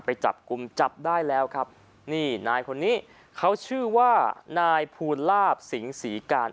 ไปจับกลุ่มจับได้แล้วครับนี่นายคนนี้เขาชื่อว่านายภูลาภสิงศรีการ